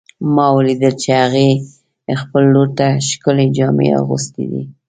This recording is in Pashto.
ما ولیدل چې هغې خپل لور ته ښکلې جامې اغوستې دي